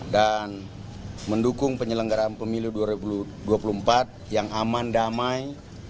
dan mendukung penyelenggaraan pemiliu dua ribu dua puluh empat yang aman damai